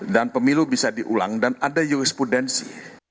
dan pemilu bisa diulang dan ada jurisprudensi